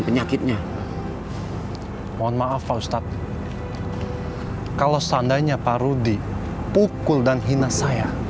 penyakitnya mohon maaf pak ustadz kalau seandainya pak rudi pukul dan hina saya